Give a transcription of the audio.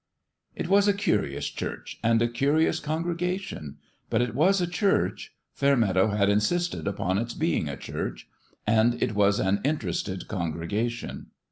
It was a curious church and a curious congre gation ; but it was a church Fairmeadow had insisted upon its being a church and it was an interested congregation.